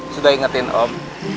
sudah ingetin om